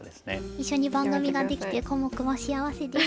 一緒に番組ができてコモクも幸せです。